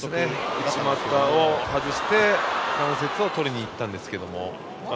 内股を外して関節を取りにいったんですけれども。